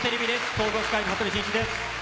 総合司会の羽鳥慎一です。